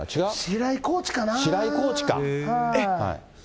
白井コーチか。